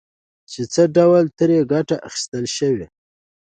چې څه ډول ترې ګټه اخيستلای شو.